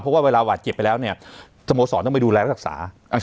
เพราะว่าเวลาวัดเจ็บไปแล้วสโมสรต้องดูแลรักษา